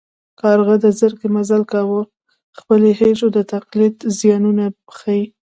کارغه د زرکې مزل کاوه خپل یې هېر شو د تقلید زیانونه ښيي